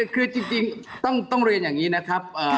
คือจริงต้องเรียนอย่างนี้นะครับ